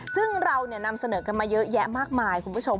ซึ่งเรานำเสนอกันมาเยอะแยะมากมายคุณผู้ชม